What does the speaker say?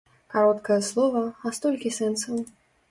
Кароткае слова, а столькі сэнсаў.